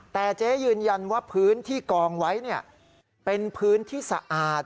แต่เจ๊ยืนยันว่าพื้นที่กองไว้เป็นพื้นที่สะอาด